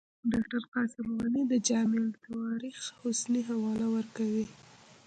ډاکټر قاسم غني د جامع التواریخ حسني حواله ورکوي.